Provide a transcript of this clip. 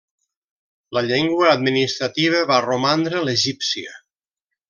La llengua administrativa va romandre l'egípcia.